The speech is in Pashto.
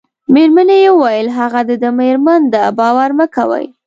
مېرمنې یې وویل: هغه د ده مېرمن ده، باور مه کوئ.